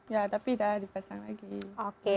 ya tapi udah dipasang lagi